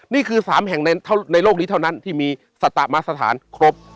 นี่คือ๓แห่งในโลกนี้เท่านั้นที่มีสตมสถานครบ